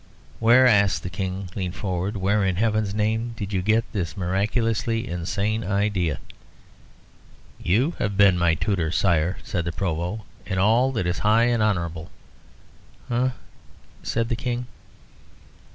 "Where," asked the King, leaning forward "where in Heaven's name did you get this miraculously inane idea?" "You have been my tutor, Sire," said the Provost, "in all that is high and honourable." "Eh?" said the King.